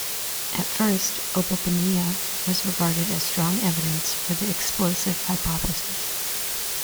At first "Opabinia" was regarded as strong evidence for the "explosive" hypothesis.